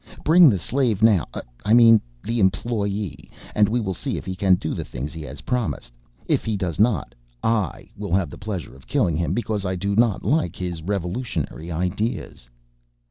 Bring the slave now ... I mean the employee ... and we will see if he can do the things he has promised. If he does not, I will have the pleasure of killing him because I do not like his revolutionary ideas."